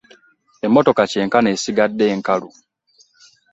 Emmotoka kyenkana esigadde nkalu.